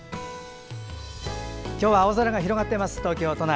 今日は青空が広がっています東京都内。